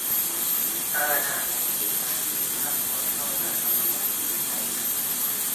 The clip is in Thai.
การหาไอติมมากินสักหน่อยก็จะทำให้ชื่นใจ